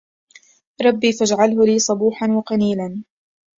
رَبِّ فاجعله لي صبوحاً وقَيْلاً